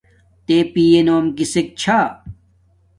تݺ پِیئݺ نݸم کِسݵک چھݳ؟